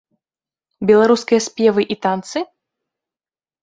Беларускія спевы і танцы?